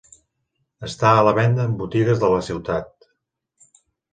Està a la venda en botigues de la ciutat.